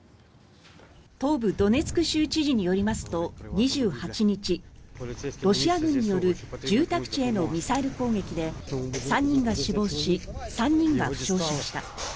東部ドネツク州知事によりますと、２８日ロシア軍による住宅地へのミサイル攻撃で３人が死亡し３人が負傷しました。